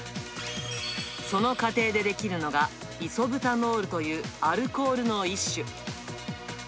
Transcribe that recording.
その過程で出来るのが、イソブタノールというアルコールの一種。